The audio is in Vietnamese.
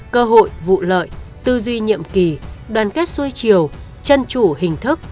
cơ hội vụ lợi tư duy nhiệm kỳ đoàn kết xuôi chiều chân chủ hình thức